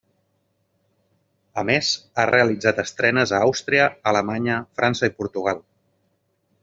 A més ha realitzat estrenes a Àustria, Alemanya, França i Portugal.